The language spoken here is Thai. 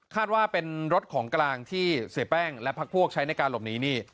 ว่าเป็นรถของกลางที่เสียแป้งและพักพวกใช้ในการหลบหนีนี่